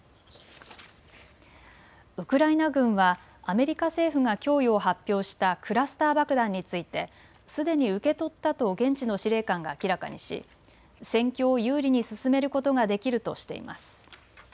ウクライナ軍はアメリカ政府が供与を発表したクラスター爆弾について、すでに受け取ったと現地の司令官が明らかにし戦況を有利に進めることができるとしています。